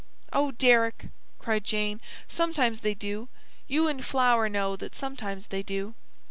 "Oh, Deryck," cried Jane, "sometimes they do. You and Flower know that sometimes they do."